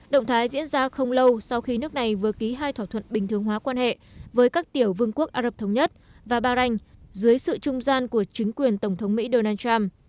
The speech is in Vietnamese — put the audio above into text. động thái diễn ra không lâu sau khi nước này vừa ký hai thỏa thuận bình thường hóa quan hệ với các tiểu vương quốc ả rập thống nhất và bahrain dưới sự trung gian của chính quyền tổng thống mỹ donald trump